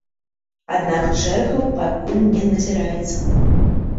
Аднак чэргаў пакуль не назіраецца.